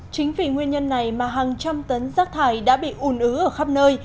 chính vì nguyên nhân này mà hàng trăm tấn rác thải đã bị ùn ứ ở khắp nơi